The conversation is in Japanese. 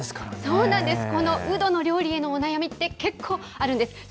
このうどの料理のお悩みって結構あるんです。